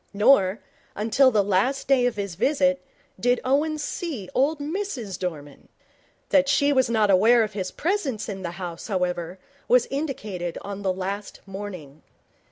Nor, until the last day of his visit, did Owen see old Mrs Dorman. That she was not unaware of his presence in the house, however, was indicated on the last morning.